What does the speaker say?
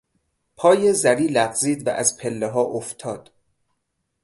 پای زری لغزید و از پلهها افتاد.